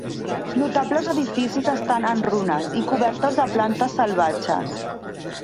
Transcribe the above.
Notables edificis estan en runes i cobertes de plantes salvatges.